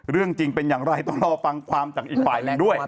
เรื่องจริงเป็นอย่างไรต้องรอฟังความจากอีกฝ่ายหนึ่งด้วย